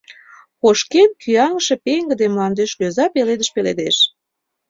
Кошкен кӱаҥше пеҥгыде мландеш лӧза пеледыш пеледеш.